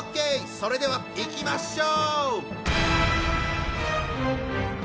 それではいきましょう！